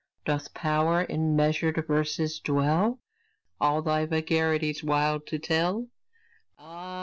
Doth power in measured verses dwell, All thy vagaries wild to tell?